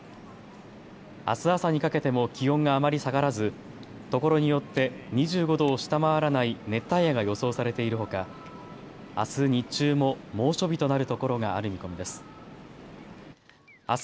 あす朝にかけても気温があまり下がらずところによって２５度を下回らない熱帯夜が予想されているほかあす日中も猛暑日となる所がある見込みです。